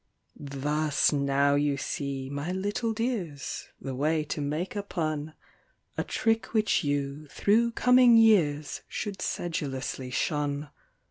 Thus now you see, my little dears, the way to make a pun; A trick which you, through coming years, should sedulously shun.